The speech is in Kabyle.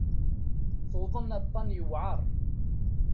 Tuḍen aṭṭan yewεer.